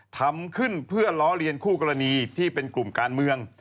ทำขึ้นเพื่อล้อเลียนคู่กรณีที่เป็นกลุ่มการเมือง